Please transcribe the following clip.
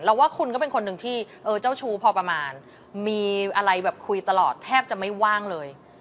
แล้วว่าคุณก็เป็นคนหนึ่งที่เจ้าชู้พอประมาณมีอะไรแบบคุยตลอดแทบจะไม่ว่างเลย